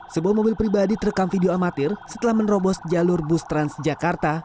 sebuah mobil pribadi terekam video amatir setelah menerobos jalur bus transjakarta